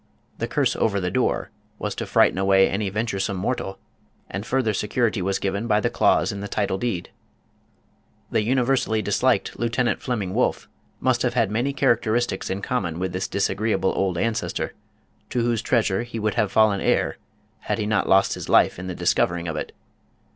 The curse over the door was to frighten away any venturesome mortal, and further secu rity was given by the clause in the title deed. 2/6 Bernhard Severin Ingetnann The universally disliked Lieutenant Flemming Wolff must have had many characteristics in common with this disagreeable old ancestor, to whose treasure he would have fallen heir had he not lost his life in the discovering of it.